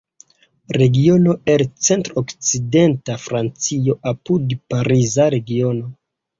Regiono el centr-okcidenta Francio apud Pariza Regiono.